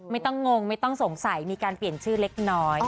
งงไม่ต้องสงสัยมีการเปลี่ยนชื่อเล็กน้อย